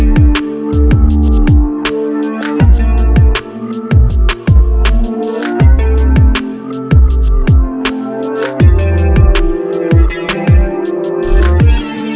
kayaknya kamu sudah kebetulan banget